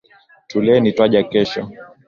Tulieni twaja kesho